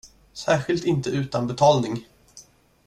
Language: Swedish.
Särskilt inte utan betalning.